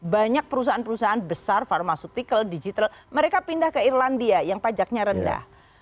banyak perusahaan perusahaan besar pharmaceuutical digital mereka pindah ke irlandia yang pajaknya rendah